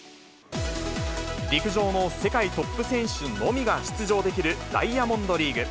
陸上の世界トップ選手のみが出場できるダイヤモンドリーグ。